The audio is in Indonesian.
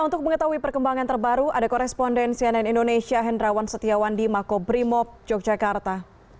untuk mengetahui perkembangan terbaru ada koresponden cnn indonesia hendrawan setiawan di makobrimob yogyakarta